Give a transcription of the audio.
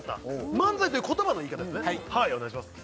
「漫才」という言葉の言い方ですねお願いします